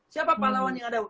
siapa pahlawan yang ada